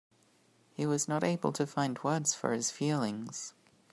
He was not able to find words for his feelings.